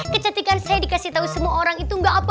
kecetikan saya dikasih tahu semua orang itu gak apa apa